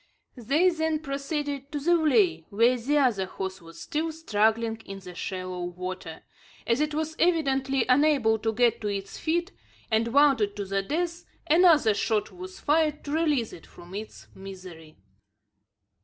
They then proceeded to the vley, where the other horse was still struggling in the shallow water. As it was evidently unable to get to its feet, and wounded to the death, another shot was fired to release it from its misery.